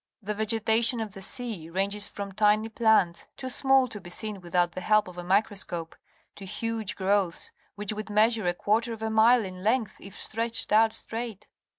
The vegetation of the sea ranges from tiny plants, too small to be seen without the help of a microscope, to huge growths, which would measure a quarter of a mile in length if stretched out straight.